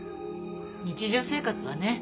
日常生活はね